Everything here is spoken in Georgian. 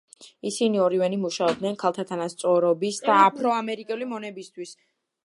ისინი ორივენი მუშაობდნენ ქალთა თანასწორობისა და აფრო-ამერიკელი მონებისთვის.